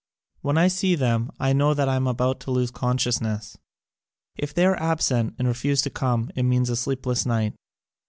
When I see them I know that I am about to lose conscious ness. If they are absent and refuse to come it means a sleepless night.